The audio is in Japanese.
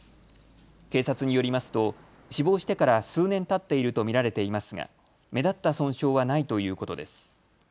警察によりますと死亡してから数年たっていると見られていますが目立った損傷はないということです。